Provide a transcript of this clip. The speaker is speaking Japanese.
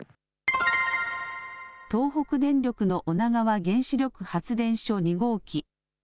東北電力の女川原子力発電所２号機。